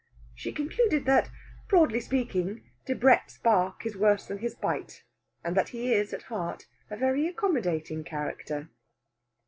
She concluded that, broadly speaking, Debrett's bark is worse than his bite, and that he is, at heart, a very accommodating character.